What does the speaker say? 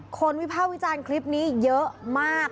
คนวิพาวิจารคลิปนี้เยอะมาก